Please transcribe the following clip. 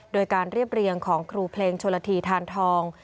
โดยการเรียบเรียงของครูเพลงชนละทีทานทอง